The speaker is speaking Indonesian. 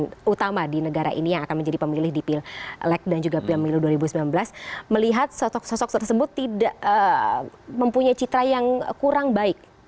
nah kalau misalnya dari pak faldos itu yang menjadi pemilih utama di negara ini yang akan menjadi pemilih di pileg dan pileg dua ribu sembilan belas melihat sosok sosok tersebut tidak mempunyai citra yang kurang baik